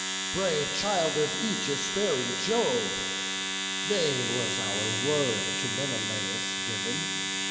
brave child of aegis bearing Jove, Vain was our word to Menelaus giv'n.